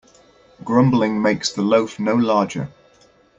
Grumbling makes the loaf no larger.